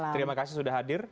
terima kasih sudah hadir